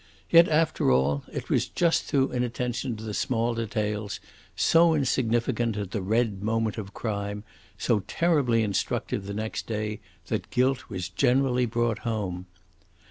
Yet, after all, it was just through inattention to the small details, so insignificant at the red moment of crime, so terribly instructive the next day, that guilt was generally brought home.